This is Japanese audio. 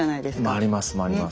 回ります回ります。